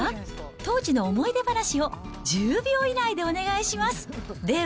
当時の思い出話を１０秒以内でお願いします。